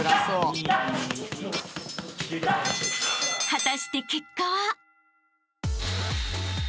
［果たして結果は？］